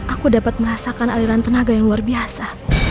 aku dapat merasakan aliran tenaga yang luar biasa